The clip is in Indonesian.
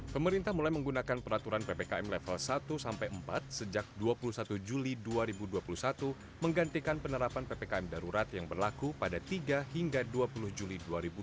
pemerintah mulai menggunakan peraturan ppkm level satu sampai empat sejak dua puluh satu juli dua ribu dua puluh satu menggantikan penerapan ppkm darurat yang berlaku pada tiga hingga dua puluh juli dua ribu dua puluh